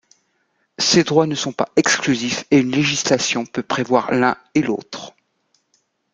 Ces droits ne sont pas exclusifs et une législation peut prévoir l'un et l'autre.